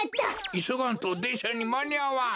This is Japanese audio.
いそがんとでんしゃにまにあわん。